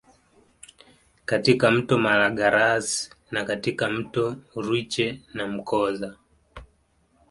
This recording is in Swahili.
Katika mto Malagarasi na katika mto Rwiche na Mkoza